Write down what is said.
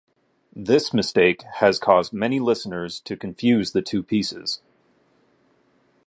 This mistake has caused many listeners to confuse the two pieces.